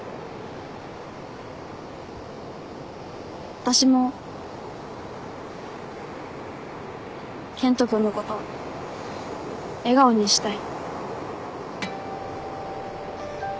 私も健人君のこと笑顔にしたい。